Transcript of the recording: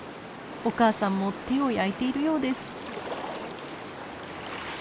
お母さんも手を焼いているようです。